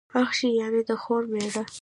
اخښی، يعني د خور مېړه.